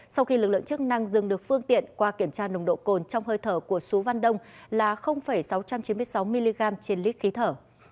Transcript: sau khi lực lượng chức năng dừng được phương tiện qua kiểm tra nồng độ cồn trong hơi thở của sú văn đông là sáu trăm chín mươi sáu mg trên lít khí thở